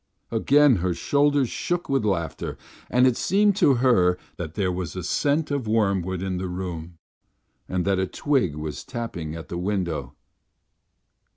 Again her shoulders shook with laughter, and it seemed to her that there was a scent of wormwood in the room and that a twig was tapping at the window.